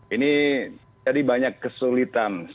ini jadi banyak kesulitan